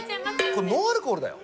これノンアルコールだよ。